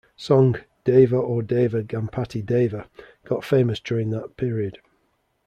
Song "Deva O Deva Ganpati Deva" got famous during that period.